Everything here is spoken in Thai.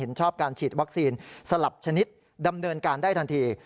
ชอบการฉีดวัคซีนสลับชนิดดำเนินการได้ทันที